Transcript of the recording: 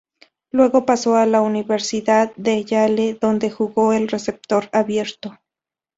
Luego pasó a la Universidad de Yale, donde jugó el receptor abierto.